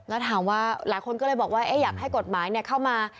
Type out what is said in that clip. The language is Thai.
แล้วถามว่าหลายคนก็เลยบอกว่าอยากให้กฎหมายเข้ามา